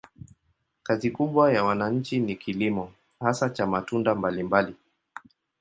Kazi kubwa ya wananchi ni kilimo, hasa cha matunda mbalimbali.